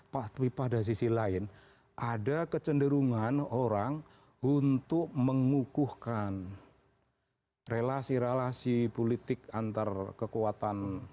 tapi pada sisi lain ada kecenderungan orang untuk mengukuhkan relasi relasi politik antar kekuatan